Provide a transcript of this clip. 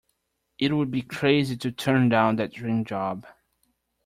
It would be crazy to turn down that dream job.